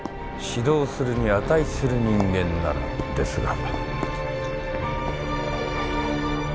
指導するに値する人間ならですが。